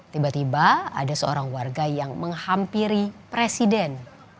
tiba tiba ada seorang warga yang menghampiri presiden